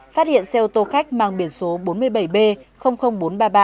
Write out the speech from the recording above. phát hiện xe ô tô khách mang biển số bốn mươi bảy b bốn trăm ba mươi ba